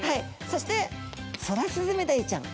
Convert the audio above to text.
そしてソラスズメダイちゃん。